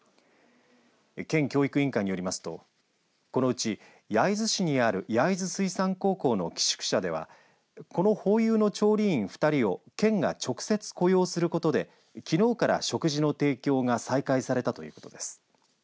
県教育委員会によりますとこのうち焼津市にある焼津水産高校の寄宿舎ではこのホーユーの調理員２人を県が直接雇用することできのうから食事の提供が再開されたということです。